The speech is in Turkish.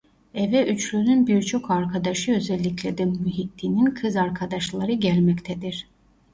Eve üçlünün birçok arkadaşı özellikle de Muhittin'in kız arkadaşları gelmektedir.